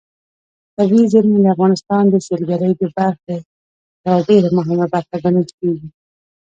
طبیعي زیرمې د افغانستان د سیلګرۍ د برخې یوه ډېره مهمه برخه ګڼل کېږي.